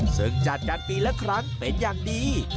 ซึ่งจัดกันปีละครั้งเป็นอย่างดี